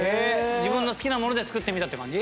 自分の好きなもので作ってみたって感じ？